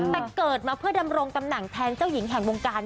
แต่เกิดมาเรียกทำงแผนเจ้าหญิงแห่งวงการ